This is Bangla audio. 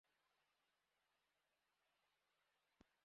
চলে এসেছি বারাতের শুভেচ্ছা জানানোর জন্য, কাজ বলেন?